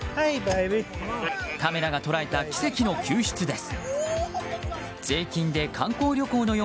カメラが捉えた奇跡の救出です。